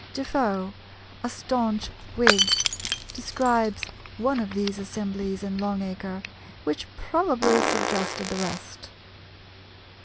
Defoe, a staunch Whig, describes one of these assemblies in Long Acre, which probably suggested the rest.